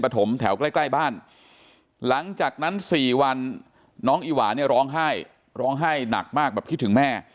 เพราะฉะนั้น๔วันน้องอิหวานี่ร้องไห้ร้องไห้หนักมากแบบคิดถึงแม่